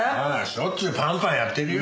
しょっちゅうパンパンやってるよ。